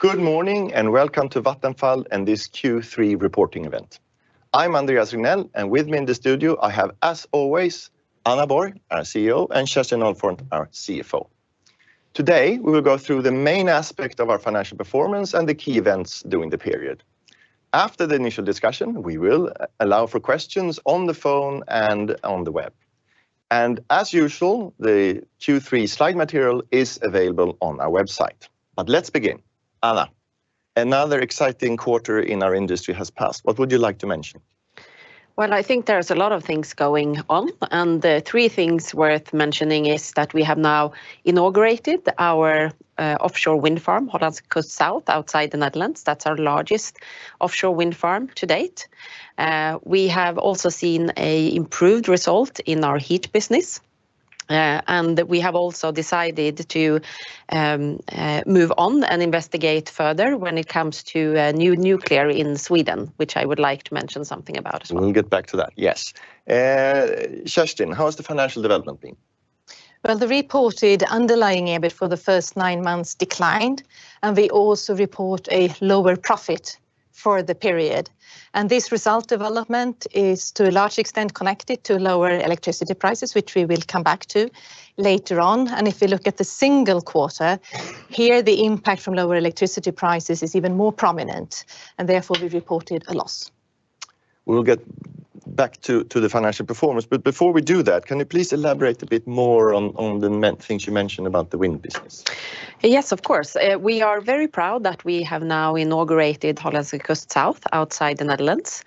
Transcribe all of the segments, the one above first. Good morning, and welcome to Vattenfall and this Q3 reporting event. I'm Andreas Regnell, and with me in the studio, I have, as always, Anna Borg, our CEO, and Kerstin Ahlfont, our CFO. Today, we will go through the main aspect of our financial performance and the key events during the period. After the initial discussion, we will allow for questions on the phone and on the web. And as usual, the Q3 slide material is available on our website, but let's begin. Anna, another exciting quarter in our industry has passed. What would you like to mention? Well, I think there's a lot of things going on, and the three things worth mentioning is that we have now inaugurated our offshore wind farm, Hollandse Kust Zuid, outside the Netherlands. That's our largest offshore wind farm to-date. We have also seen a improved result in our heat business, and we have also decided to move on and investigate further when it comes to new nuclear in Sweden, which I would like to mention something about. We'll get back to that, yes. Kerstin, how has the financial development been? Well, the reported underlying EBIT for the first nine months declined, and we also report a lower profit for the period. And this result development is, to a large extent, connected to lower electricity prices, which we will come back to later on. And if you look at the single quarter, here, the impact from lower electricity prices is even more prominent, and therefore, we've reported a loss. We'll get back to the financial performance, but before we do that, can you please elaborate a bit more on the main things you mentioned about the wind business? Yes, of course. We are very proud that we have now inaugurated Hollandse Kust South outside the Netherlands.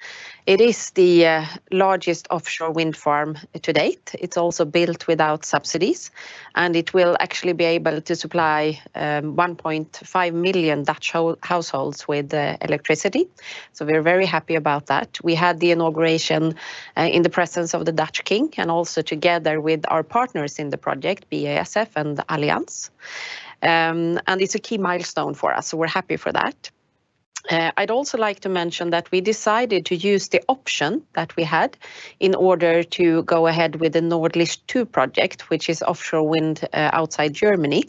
It is the largest offshore wind farm to-date. It's also built without subsidies, and it will actually be able to supply 1.5 million Dutch households with electricity, so we're very happy about that. We had the inauguration in the presence of the Dutch king, and also together with our partners in the project, BASF and Allianz. And it's a key milestone for us, so we're happy for that. I'd also like to mention that we decided to use the option that we had in order to go ahead with the Nordlicht II project, which is offshore wind, outside Germany,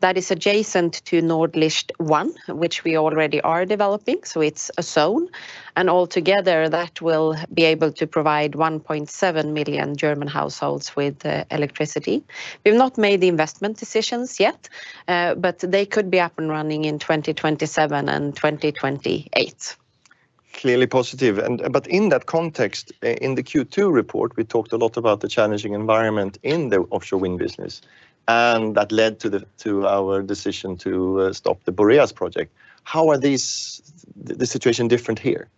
that is adjacent to Nordlicht I, which we already are developing, so it's a zone, and altogether, that will be able to provide 1.7 million German households with electricity. We've not made the investment decisions yet, but they could be up and running in 2027 and 2028. Clearly positive, and... But in that context, in the Q2 report, we talked a lot about the challenging environment in the offshore wind business, and that led to our decision to stop the Boreas project. How is the situation different here?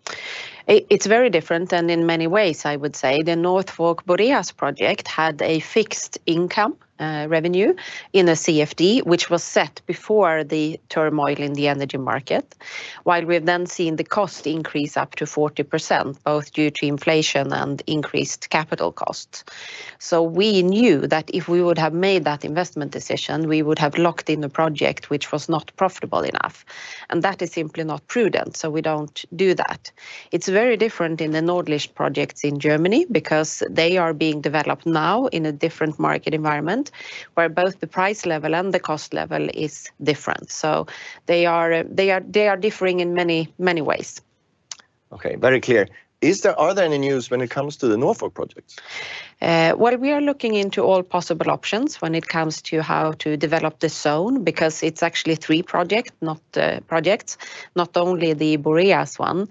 It's very different, and in many ways, I would say. The Norfolk Boreas project had a fixed income, revenue in a CfD, which was set before the turmoil in the energy market, while we've then seen the cost increase up to 40%, both due to inflation and increased capital costs. So we knew that if we would have made that investment decision, we would have locked in a project which was not profitable enough, and that is simply not prudent, so we don't do that. It's very different in the Nordlicht projects in Germany because they are being developed now in a different market environment, where both the price level and the cost level is different. So they are differing in many, many ways. Okay, very clear. Are there any news when it comes to the Norfolk projects? Well, we are looking into all possible options when it comes to how to develop the zone, because it's actually three projects, not only the Boreas one,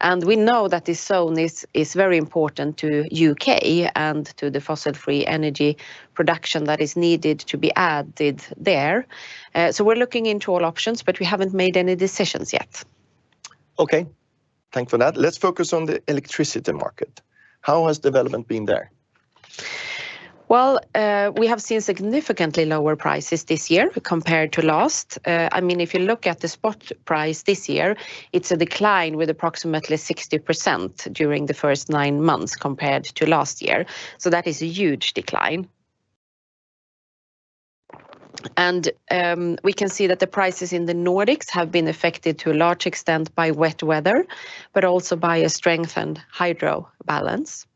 and we know that this zone is very important to the U.K. and to the fossil-free energy production that is needed to be added there. So, we're looking into all options, but we haven't made any decisions yet. Okay, thank you for that. Let's focus on the electricity market. How has development been there? Well, we have seen significantly lower prices this year compared to last. I mean, if you look at the spot price this year, it's a decline with approximately 60% during the first nine months compared to last year, so that is a huge decline. And, we can see that the prices in the Nordics have been affected to a large extent by wet weather, but also by a strengthened hydro balance.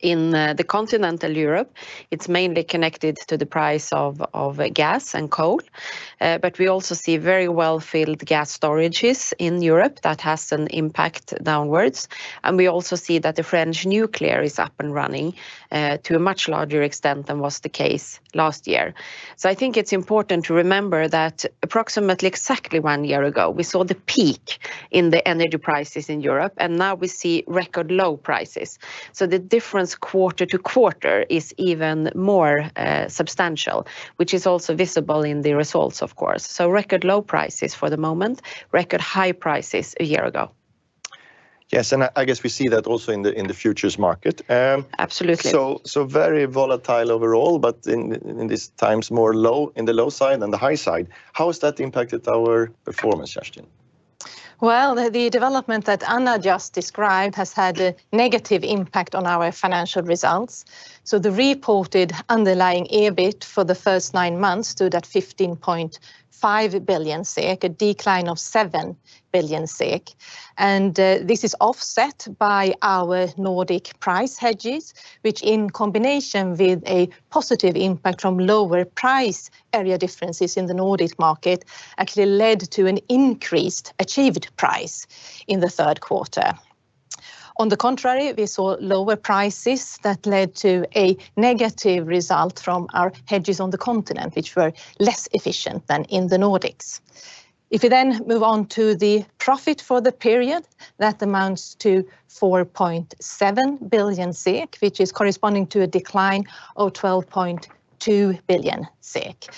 In, the continental Europe, it's mainly connected to the price of gas and coal, but we also see very well-filled gas storages in Europe. That has an impact downwards, and we also see that the French nuclear is up and running to a much larger extent than was the case last year. So I think it's important to remember that approximately exactly one year ago, we saw the peak in the energy prices in Europe, and now we see record low prices. So the difference quarter-to-quarter is even more substantial, which is also visible in the results, of course. So record low prices for the moment, record high prices a year ago. Yes, and I guess we see that also in the futures market. Absolutely. So very volatile overall, but in these times, more low, in the low side than the high side. How has that impacted our performance, Kerstin? ...Well, the development that Anna just described has had a negative impact on our financial results. So the reported underlying EBIT for the first nine months stood at 15.5 billion SEK, a decline of 7 billion SEK. And this is offset by our Nordic price hedges, which in combination with a positive impact from lower price area differences in the Nordics market, actually led to an increased achieved price in the third quarter. On the contrary, we saw lower prices that led to a negative result from our hedges on the continent, which were less efficient than in the Nordics. If you then move on to the profit for the period, that amounts to 4.7 billion SEK, which is corresponding to a decline of 12.2 billion SEK.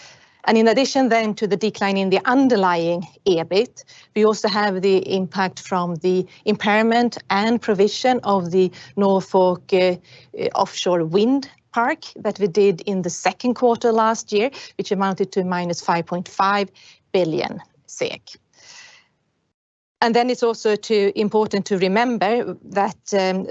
In addition then to the decline in the underlying EBIT, we also have the impact from the impairment and provision of the Norfolk offshore wind park that we did in the second quarter last year, which amounted to -5.5 billion SEK. Then it's also too important to remember that,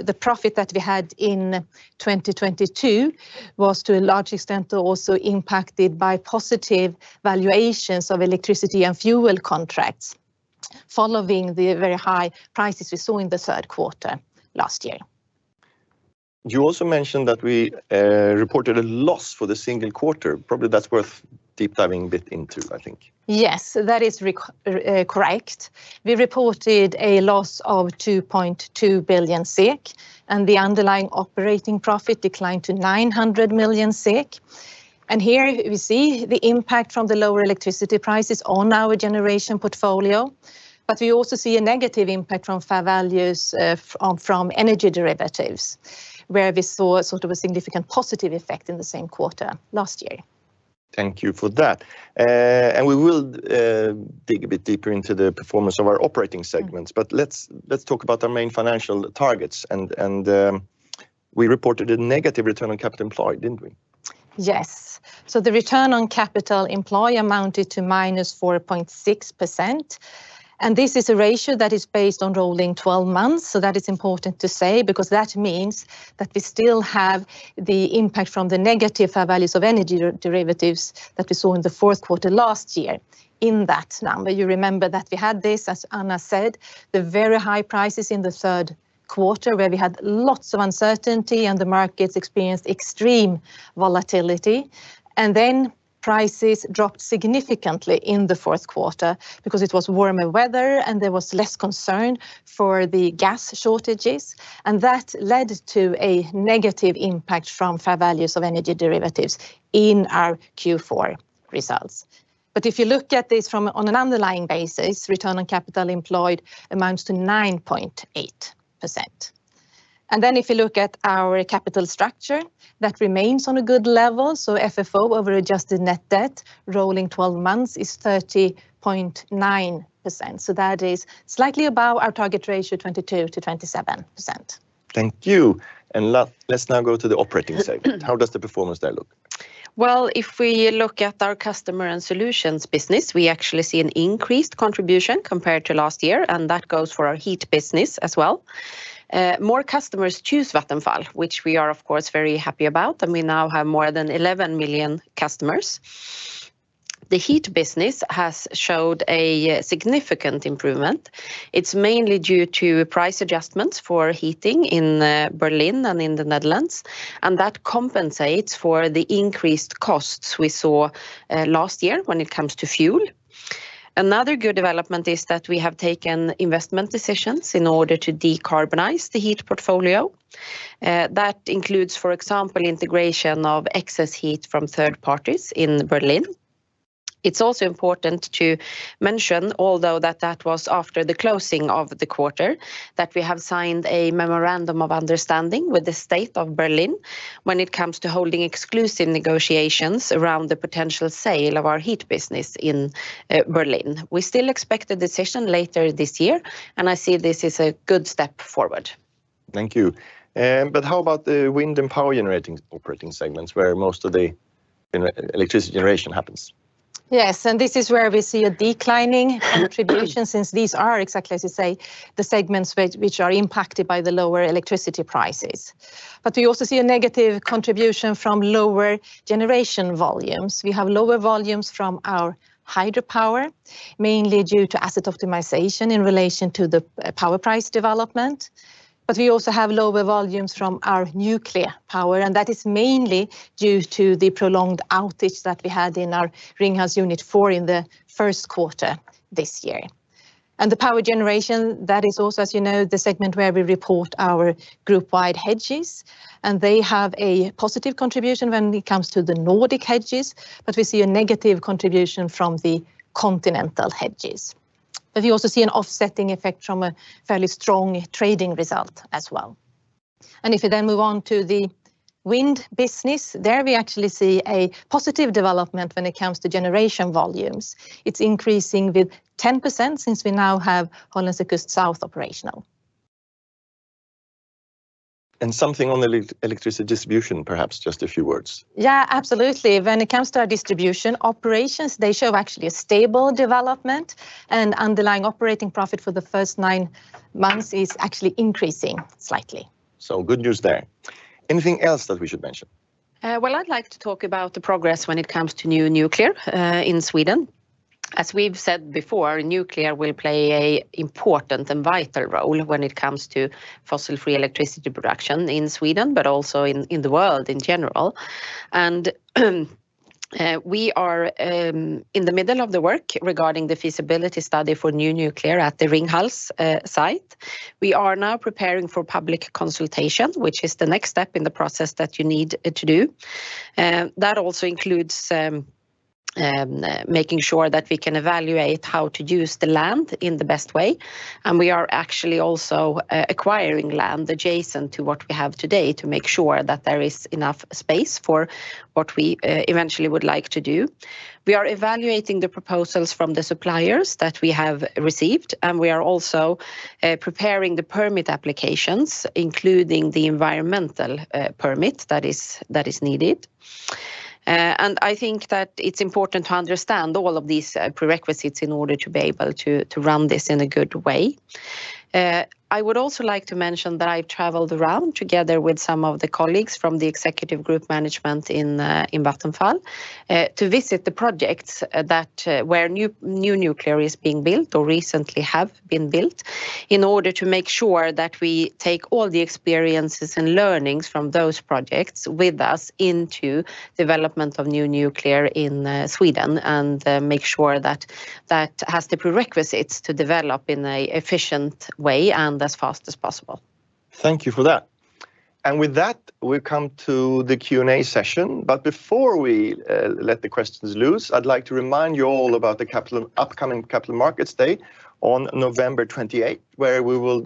the profit that we had in 2022 was, to a large extent, also impacted by positive valuations of electricity and fuel contracts following the very high prices we saw in the third quarter last year. You also mentioned that we reported a loss for the single quarter. Probably that's worth deep diving a bit into, I think. Yes, that is correct. We reported a loss of 2.2 billion SEK, and the underlying operating profit declined to 900 million SEK. Here we see the impact from the lower electricity prices on our generation portfolio, but we also see a negative impact from fair values from energy derivatives, where we saw sort of a significant positive effect in the same quarter last year. Thank you for that. And we will dig a bit deeper into the performance of our operating segments. Mm. But let's, let's talk about our main financial targets, and, and, we reported a negative return on capital employed, didn't we? Yes. So the return on capital employed amounted to -4.6%, and this is a ratio that is based on rolling 12 months. So that is important to say, because that means that we still have the impact from the negative fair values of energy derivatives that we saw in the fourth quarter last year in that number. You remember that we had this, as Anna said, the very high prices in the third quarter, where we had lots of uncertainty and the markets experienced extreme volatility, and then prices dropped significantly in the fourth quarter because it was warmer weather and there was less concern for the gas shortages, and that led to a negative impact from fair values of energy derivatives in our Q4 results. But if you look at this from on an underlying basis, return on capital employed amounts to 9.8%. And then if you look at our capital structure, that remains on a good level, so FFO over adjusted net debt, rolling twelve months, is 30.9%. So that is slightly above our target ratio, 22%-27%. Thank you, and let's now go to the operating segment. How does the performance there look? Well, if we look at our customer and solutions business, we actually see an increased contribution compared to last year, and that goes for our heat business as well. More customers choose Vattenfall, which we are of course very happy about, and we now have more than 11 million customers. The heat business has showed a significant improvement. It's mainly due to price adjustments for heating in Berlin and in the Netherlands, and that compensates for the increased costs we saw last year when it comes to fuel. Another good development is that we have taken investment decisions in order to decarbonize the heat portfolio. That includes, for example, integration of excess heat from third parties in Berlin. It's also important to mention, although that was after the closing of the quarter, that we have signed a memorandum of understanding with the state of Berlin when it comes to holding exclusive negotiations around the potential sale of our heat business in Berlin. We still expect a decision later this year, and I see this as a good step forward. Thank you. But how about the wind and power generating operating segments, where most of the electricity generation happens? Yes, and this is where we see a declining contribution, since these are exactly, as you say, the segments which, which are impacted by the lower electricity prices. But we also see a negative contribution from lower generation volumes. We have lower volumes from our hydropower, mainly due to asset optimization in relation to the power price development, but we also have lower volumes from our nuclear power, and that is mainly due to the prolonged outage that we had in our Ringhals Unit 4 in the first quarter this year. And the power generation, that is also, as you know, the segment where we report our group-wide hedges, and they have a positive contribution when it comes to the Nordic hedges, but we see a negative contribution from the continental hedges. But we also see an offsetting effect from a fairly strong trading result as well. If you then move on to the wind business, there we actually see a positive development when it comes to generation volumes. It's increasing with 10%, since we now have Hollandse Kust Zuid operational. ... And something on the electricity distribution, perhaps just a few words. Yeah, absolutely. When it comes to our distribution operations, they show actually a stable development, and underlying operating profit for the first nine months is actually increasing slightly. So good news there. Anything else that we should mention? Well, I'd like to talk about the progress when it comes to new nuclear in Sweden. As we've said before, nuclear will play a important and vital role when it comes to fossil-free electricity production in Sweden, but also in the world in general. We are in the middle of the work regarding the feasibility study for new nuclear at the Ringhals site. We are now preparing for public consultation, which is the next step in the process that you need to do. That also includes making sure that we can evaluate how to use the land in the best way, and we are actually also acquiring land adjacent to what we have today to make sure that there is enough space for what we eventually would like to do. We are evaluating the proposals from the suppliers that we have received, and we are also preparing the permit applications, including the environmental permit that is, that is needed. I think that it's important to understand all of these prerequisites in order to be able to run this in a good way. I would also like to mention that I've traveled around, together with some of the colleagues from the executive group management in Vattenfall, to visit the projects that where new, new nuclear is being built or recently have been built, in order to make sure that we take all the experiences and learnings from those projects with us into development of new nuclear in Sweden, and make sure that that has the prerequisites to develop in a efficient way and as fast as possible. Thank you for that. With that, we come to the Q&A session, but before we let the questions loose, I'd like to remind you all about the upcoming Capital Markets Day on November 28, where we will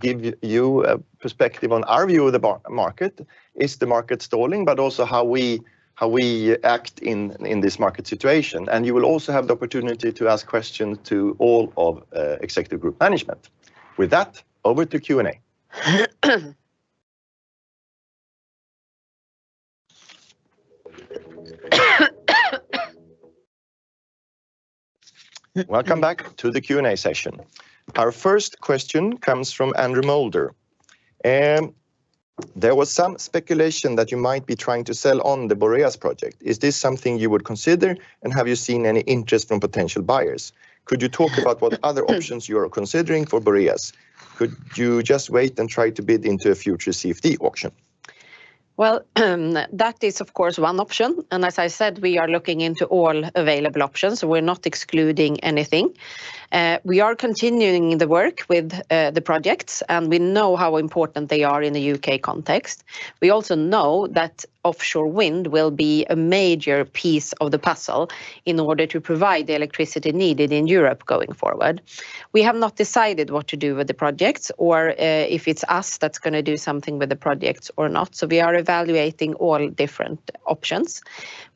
give you a perspective on our view of the market. Is the market stalling? But also how we act in this market situation, and you will also have the opportunity to ask questions to all of executive group management. With that, over to Q&A. Welcome back to the Q&A session. Our first question comes from Andrew Moulder, and there was some speculation that you might be trying to sell on the Boreas project. Is this something you would consider, and have you seen any interest from potential buyers? Could you talk about what other options you are considering for Boreas? Could you just wait and try to bid into a future CfD auction? Well, that is, of course, one option, and as I said, we are looking into all available options, so we're not excluding anything. We are continuing the work with the projects, and we know how important they are in the U.K. context. We also know that offshore wind will be a major piece of the puzzle in order to provide the electricity needed in Europe going forward. We have not decided what to do with the projects or if it's us that's gonna do something with the projects or not, so we are evaluating all different options.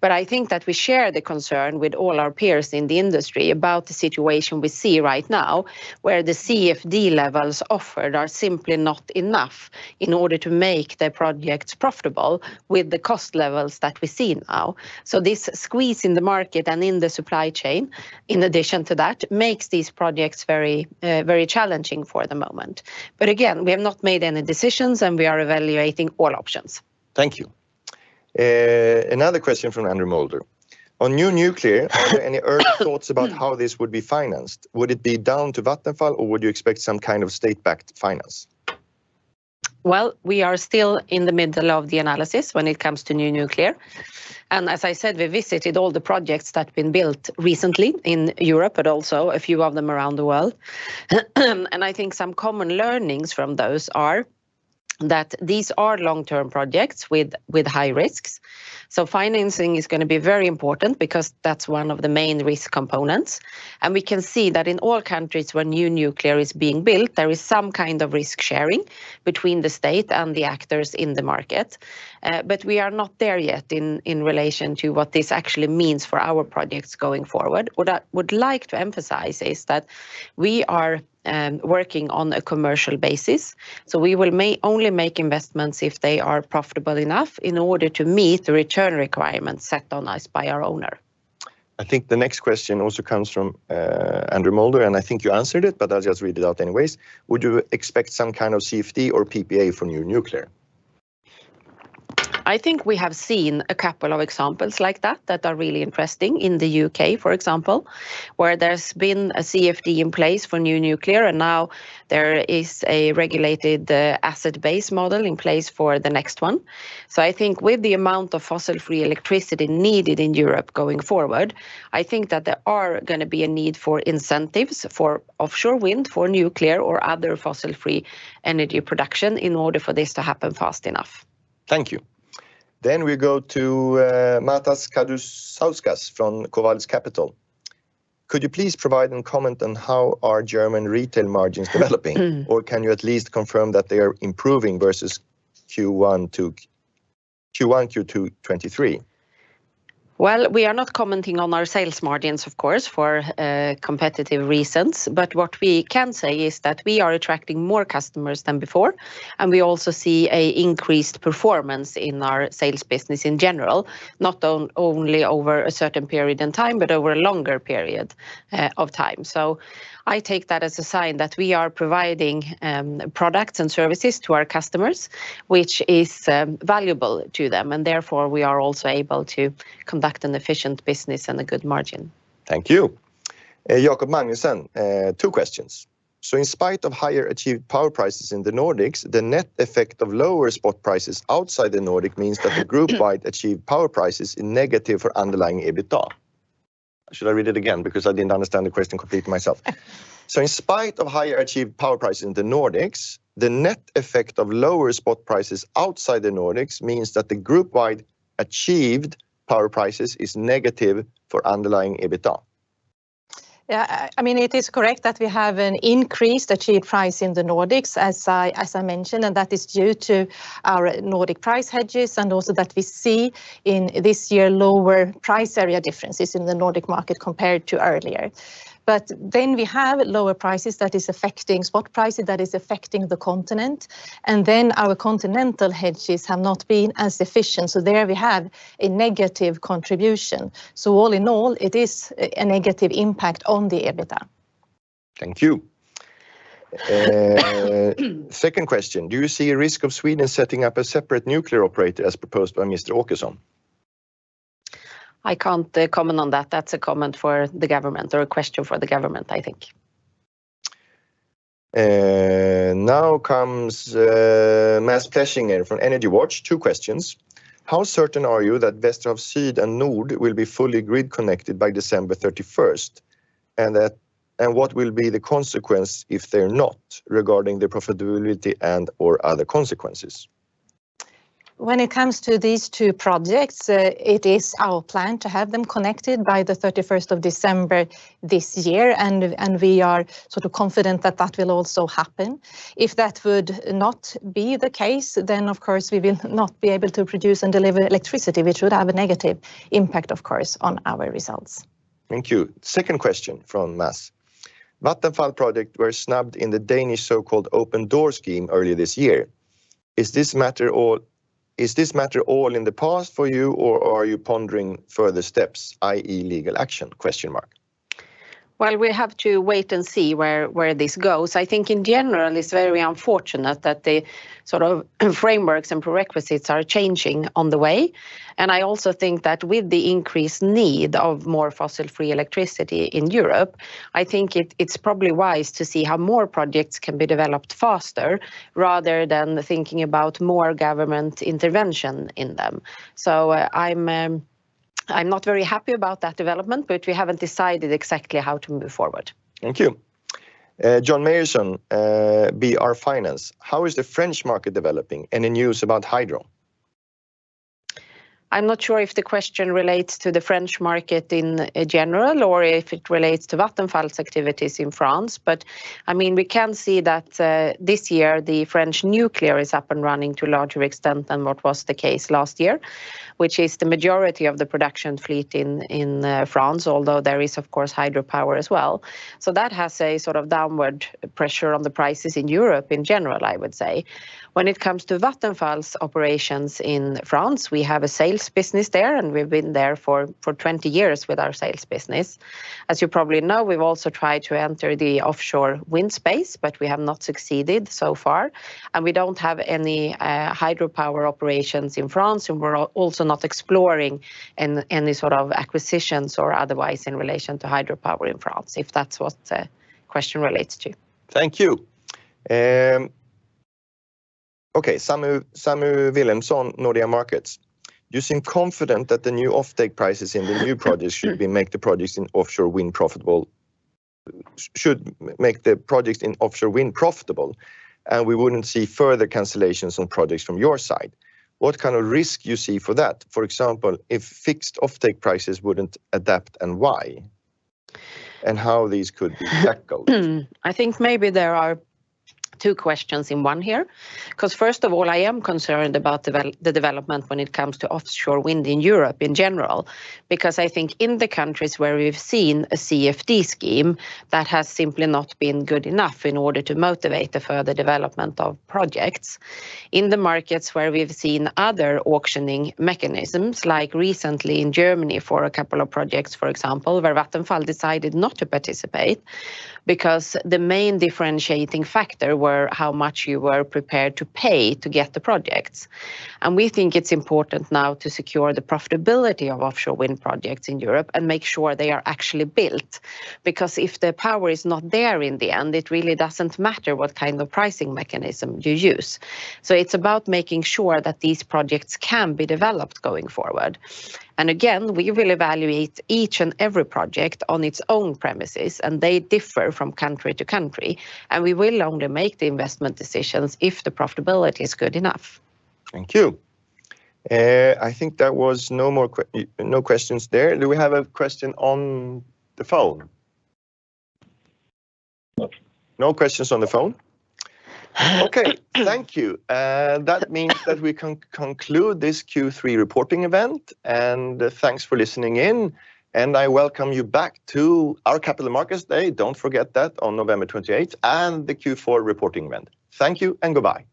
But I think that we share the concern with all our peers in the industry about the situation we see right now, where the CfD levels offered are simply not enough in order to make the projects profitable with the cost levels that we see now. So this squeeze in the market and in the supply chain, in addition to that, makes these projects very, very challenging for the moment. But again, we have not made any decisions, and we are evaluating all options. Thank you. Another question from Andrew Moulder: On new nuclear, are there any early thoughts about how this would be financed? Would it be down to Vattenfall, or would you expect some kind of state-backed finance? Well, we are still in the middle of the analysis when it comes to new nuclear, and as I said, we visited all the projects that have been built recently in Europe, but also a few of them around the world. I think some common learnings from those are that these are long-term projects with high risks, so financing is gonna be very important because that's one of the main risk components. We can see that in all countries where new nuclear is being built, there is some kind of risk sharing between the state and the actors in the market. But we are not there yet in relation to what this actually means for our projects going forward. What I would like to emphasize is that we are working on a commercial basis, so we will only make investments if they are profitable enough in order to meet the return requirements set on us by our owner. I think the next question also comes from Andrew Moulder, and I think you answered it, but I'll just read it out anyways. Would you expect some kind of CfD or PPA from new nuclear? I think we have seen a couple of examples like that, that are really interesting in the UK, for example, where there's been a CFD in place for new nuclear, and now there is a regulated, asset-based model in place for the next one. So I think with the amount of fossil-free electricity needed in Europe going forward, I think that there are gonna be a need for incentives for offshore wind, for nuclear, or other fossil-free energy production in order for this to happen fast enough. Thank you. Then we go to Matas Kadusauskas from Covalis Capital: Could you please provide and comment on how our German retail margins developing, or can you at least confirm that they are improving versus Q1 to Q1, Q2 2023?... Well, we are not commenting on our sales margins, of course, for competitive reasons, but what we can say is that we are attracting more customers than before, and we also see an increased performance in our sales business in general, not only over a certain period in time, but over a longer period of time. So I take that as a sign that we are providing products and services to our customers, which is valuable to them, and therefore, we are also able to conduct an efficient business and a good margin. Thank you. Jakob Magnussen, two questions: So in spite of higher achieved power prices in the Nordics, the net effect of lower spot prices outside the Nordic means that the group-wide achieved power prices in negative for underlying EBITDA? Should I read it again? Because I didn't understand the question completely myself. So in spite of higher achieved power price in the Nordics, the net effect of lower spot prices outside the Nordics means that the group-wide achieved power prices is negative for underlying EBITDA. Yeah, I mean, it is correct that we have an increased achieved price in the Nordics, as I mentioned, and that is due to our Nordic price hedges, and also that we see in this year lower price area differences in the Nordic market compared to earlier. But then we have lower prices that is affecting spot prices, that is affecting the continent, and then our continental hedges have not been as efficient, so there we have a negative contribution. So all in all, it is a negative impact on the EBITDA. Thank you. Second question: Do you see a risk of Sweden setting up a separate nuclear operator, as proposed by Mr. Åkesson? I can't comment on that. That's a comment for the government or a question for the government, I think. Now comes Maz Plechinger from EnergyWatch. Two questions: How certain are you that Vesterhav Syd and Vesterhav Nord will be fully grid connected by December 31st, and what will be the consequence if they're not, regarding the profitability and/or other consequences? When it comes to these two projects, it is our plan to have them connected by the 31st of December this year, and we are sort of confident that that will also happen. If that would not be the case, then, of course, we will not be able to produce and deliver electricity, which would have a negative impact, of course, on our results. Thank you. Second question from Maz: Vattenfall projects were snubbed in the Danish so-called open door scheme earlier this year. Is this matter all in the past for you, or are you pondering further steps, i.e., legal action? Well, we have to wait and see where this goes. I think, in general, it's very unfortunate that the sort of frameworks and prerequisites are changing on the way, and I also think that with the increased need of more fossil-free electricity in Europe, I think it's probably wise to see how more projects can be developed faster, rather than thinking about more government intervention in them. So, I'm not very happy about that development, but we haven't decided exactly how to move forward. Thank you. John Meyerson, BR Finance: How is the French market developing? Any news about hydro? I'm not sure if the question relates to the French market in general, or if it relates to Vattenfall's activities in France, but, I mean, we can see that, this year, the French nuclear is up and running to a larger extent than what was the case last year, which is the majority of the production fleet in France, although there is, of course, hydropower as well. So that has a sort of downward pressure on the prices in Europe in general, I would say. When it comes to Vattenfall's operations in France, we have a sales business there, and we've been there for 20 years with our sales business. As you probably know, we've also tried to enter the offshore wind space, but we have not succeeded so far, and we don't have any hydropower operations in France, and we're also not exploring any, any sort of acquisitions or otherwise in relation to hydropower in France, if that's what the question relates to. Thank you. Okay, Samu Wilhelmsson, Nordea Markets: You seem confident that the new offtake prices in the new projects should make the projects in offshore wind profitable, and we wouldn't see further cancellations on projects from your side. What kind of risk you see for that? For example, if fixed offtake prices wouldn't adapt, and why, and how these could be tackled? Hmm, I think maybe there are two questions in one here, 'cause first of all, I am concerned about the development when it comes to offshore wind in Europe in general, because I think in the countries where we've seen a CFD scheme, that has simply not been good enough in order to motivate the further development of projects. In the markets where we've seen other auctioning mechanisms, like recently in Germany for a couple of projects, for example, where Vattenfall decided not to participate because the main differentiating factor were how much you were prepared to pay to get the projects, and we think it's important now to secure the profitability of offshore wind projects in Europe and make sure they are actually built. Because if the power is not there in the end, it really doesn't matter what kind of pricing mechanism you use. It's about making sure that these projects can be developed going forward, and again, we will evaluate each and every project on its own premises, and they differ from country to country, and we will only make the investment decisions if the profitability is good enough. Thank you. I think that was no more questions there. Do we have a question on the phone? No. No questions on the phone. Okay, thank you. That means that we can conclude this Q3 reporting event, and thanks for listening in, and I welcome you back to our Capital Markets Day, don't forget that, on November 28th, and the Q4 reporting event. Thank you, and goodbye.